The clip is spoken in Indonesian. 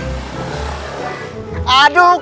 siapa mau monster maut